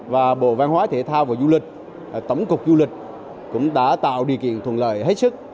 và bộ văn hóa thể thao và du lịch tổng cục du lịch cũng đã tạo điều kiện thuận lợi hết sức